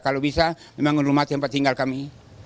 kalau bisa memang rumah tempat tinggal kami